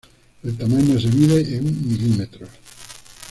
El tamaño se mide en milímetros.